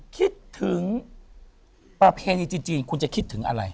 คิดถึงประเพณีจีนคุณจะคิดถึงอะไร